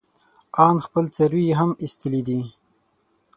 ان خپل څاروي يې هم ايستلي دي.